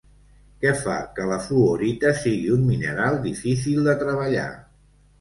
Què fa que la fluorita sigui un mineral difícil de treballar?